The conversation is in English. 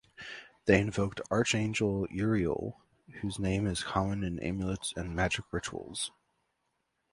They invoked Archangel Uriel, whose name is common in amulets and magic rituals.